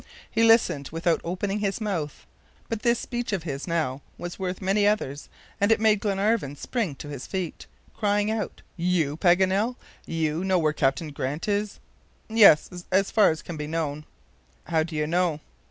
He listened without opening his mouth. But this speech of his now was worth many others, and it made Glenarvan spring to his feet, crying out: "You, Paganel! you know where Captain Grant is?" "Yes, as far as can be known." "How do you know?"